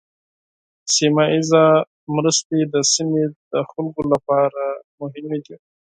سیمه ایزه مرستې د سیمې د خلکو لپاره مهمې دي.